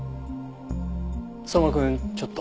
相馬くんちょっと。